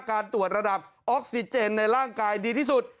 การตรวจระดับออกซิเจนในร่างกายดีที่สุด